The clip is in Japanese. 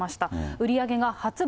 売り上げが発売